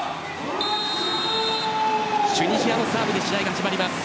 チュニジアのサーブで試合が始まりました。